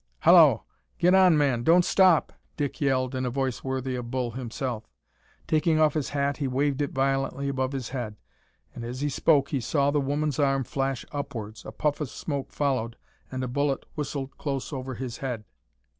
"Hallo! get on, man; don't stop!" Dick yelled, in a voice worthy of Bull himself. Taking off his hat he waved it violently above his head. As he spoke he saw the woman's arm flash upwards; a puff of smoke followed, and a bullet whistled close over his head.